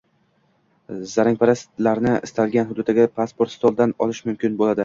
“Zagranpasport”larni istalgan hududdagi “pasport stol”dan olish mumkin bo‘ldi